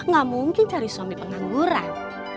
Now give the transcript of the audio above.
gak mungkin cari suami pengangguran